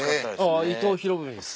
伊藤博文です